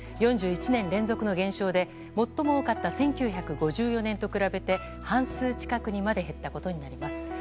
４１年連続の減少で最も多かった１９５４年と比べて半数近くにまで減ったことになります。